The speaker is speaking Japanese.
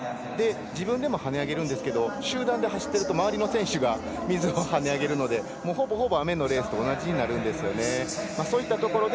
自分でも跳ね上げるんですけど集団で走ってると周りの選手が水を跳ね上げるのでほぼ雨のレースと同じになるんですよね。